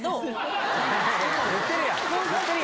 言ってるやん！